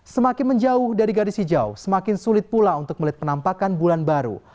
semakin menjauh dari garis hijau semakin sulit pula untuk melihat penampakan bulan baru